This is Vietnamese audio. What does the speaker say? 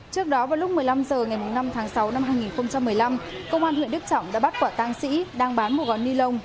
trước đó vào lúc một mươi năm h ngày năm tháng sáu năm hai nghìn một mươi năm công an huyện đức trọng đã bắt quả tăng sĩ đang bán một gói ni lông